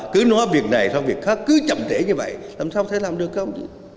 cứ nói việc này xong việc khác cứ chậm thể như vậy làm sao có thể làm được không